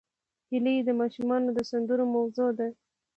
هیلۍ د ماشومانو د سندرو موضوع ده